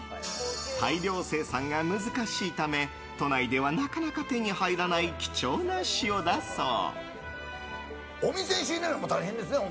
大量生産が難しいため都内では、なかなか手に入らない貴重な塩だそう。